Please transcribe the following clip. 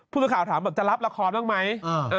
ผู้สศาลถามมาว่าจะรับระครบ้างไหม